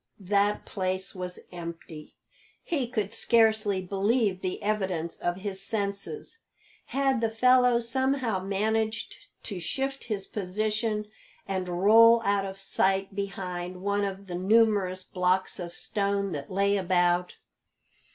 No; that place was empty! He could scarcely believe the evidence of his senses. Had the fellow somehow managed to shift his position, and roll out of sight behind one of the numerous blocks of stone that lay about?